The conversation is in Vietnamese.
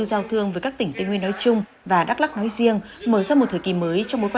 giao thương với các tỉnh tây nguyên nói chung và đắk lắc nói riêng mở ra một thời kỳ mới trong bối cảnh